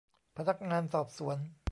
พนักงานสอบสวน